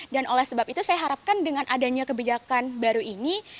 oleh sebab itu saya harapkan dengan adanya kebijakan baru ini